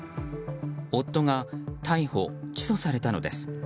夫が逮捕・起訴されたのです。